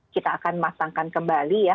kita akan masangkan kembali ya